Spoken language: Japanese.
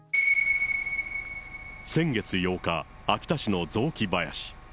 先月８日、秋田市の雑木林。